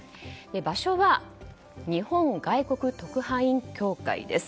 場所は日本外国特派員協会です。